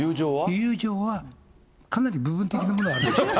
友情はかなり部分的なものあるでしょ。